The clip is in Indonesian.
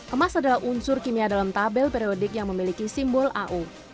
emas adalah unsur kimia dalam tabel periodik yang memiliki simbol au